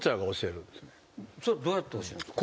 それどうやって教えるんですか？